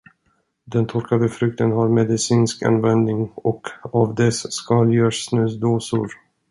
Den torkade frukten har medicinsk användning, och av dess skal görs snusdosor.